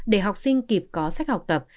để học sinh kịp có sách học tập